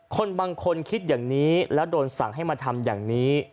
คนบางคนคิดอย่างนี้แล้วโดนสั่งให้มาทำอย่างนี้